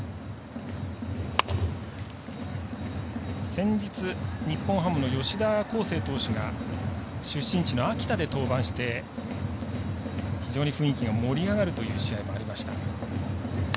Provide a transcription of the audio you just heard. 先日、日本ハムの吉田輝星投手が出身地の秋田で登板して非常に雰囲気が盛り上がるという試合もありました。